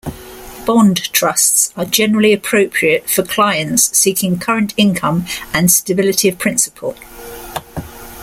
Bond trusts are generally appropriate for clients seeking current income and stability of principal.